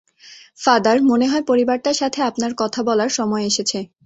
Father, মনে হয় পরিবারটার সাথে আপনার কথা বলার সময় এসেছে।